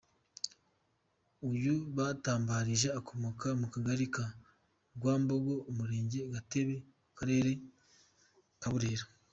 Uyu Batambarije akomoka mu Kagari ka Rwambogo, Umurenge Gatebe mu Karere ka Burera.